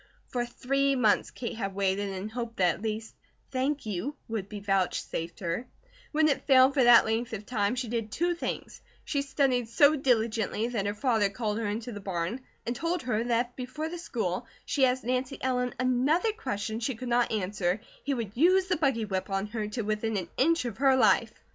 For three months Kate had waited and hoped that at least "thank you" would be vouchsafed her; when it failed for that length of time she did two things: she studied so diligently that her father called her into the barn and told her that if before the school, she asked Nancy Ellen another question she could not answer, he would use the buggy whip on her to within an inch of her life.